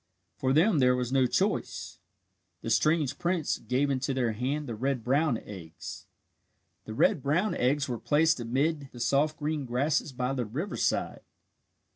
For them there was no choice. The strange prince gave into their hand the red brown eggs. The red brown eggs were placed amid the soft green grasses by the riverside.